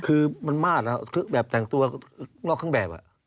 คือมันมาดแบบแต่งตัวนอกข้างแบบ